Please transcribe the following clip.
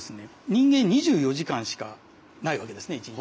人間２４時間しかないわけですね一日。